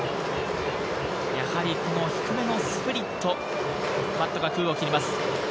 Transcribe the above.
やはり低めのスプリット、バットが空を切ります。